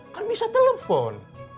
kan bisa telepon